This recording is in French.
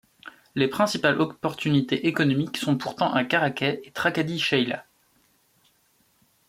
Les principales opportunités économiques sont pourtant à Caraquet et Tracadie-Sheila.